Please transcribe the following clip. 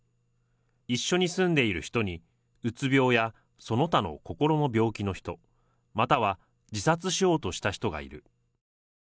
一緒に住んでいる人に、うつ病やその他の心の病気の人、または自殺しようとした人がいる。